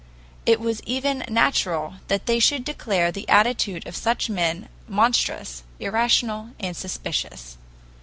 It was even natural that they should declare the attitude of such men monstrous, irrational, and suspicious."